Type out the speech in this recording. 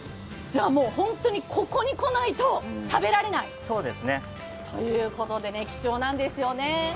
じゃあ、本当にここに来ないと食べられない。ということで、貴重なんですよね。